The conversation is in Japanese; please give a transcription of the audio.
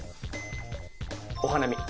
お花見。